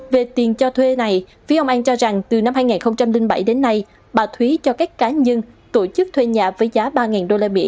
về tiền cho thuê này phía ông an cho rằng từ năm hai nghìn bảy đến nay bà thúy cho các cá nhân tổ chức thuê nhà với giá ba usd